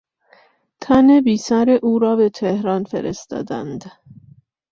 تن بیسر او را به تهران فرستادند.